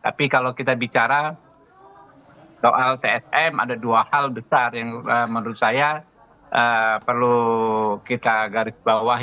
tapi kalau kita bicara soal tsm ada dua hal besar yang menurut saya perlu kita garis bawahi